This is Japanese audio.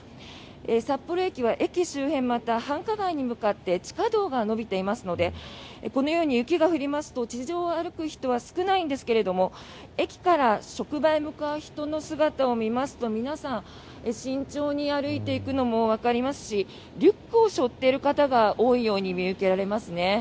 札幌駅は駅周辺または繁華街に向かって地下道が延びていますのでこのように雪が降りますと地上を歩く人は少ないんですが駅から職場へ向かう人の姿を見ますと皆さん、慎重に歩いていくのもわかりますしリュックを背負っている方が多いように見受けられますね。